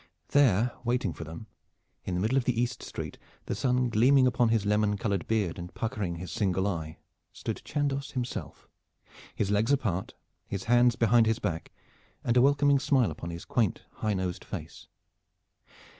There waiting for them, in the middle of the east street, the sun gleaming upon his lemon colored beard, and puckering his single eye, stood Chandos himself, his legs apart, his hands behind his back, and a welcoming smile upon his quaint high nosed face.